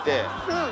うん。